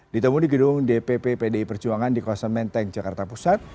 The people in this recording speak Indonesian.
ditemui di gedung dpp pdi perjuangan di kawasan menteng jakarta pusat